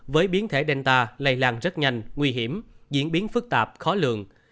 với biến thể delta lây làng rất nhanh nguy hiểm diễn biến phức tạp khó lường